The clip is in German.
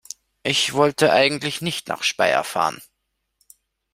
Ich wollte eigentlich nicht nach Speyer fahren